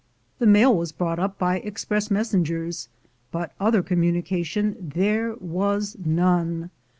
The mail was brought up by express messengers, but other communication there was none.